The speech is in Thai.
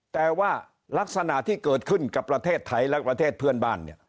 แต่ว่ารักษณะที่เกิดขึ้นกับประเทศไทยและประเทศเพื่อนบ้านเนี่ย